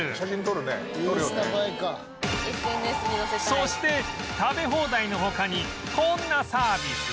そして食べ放題の他にこんなサービスも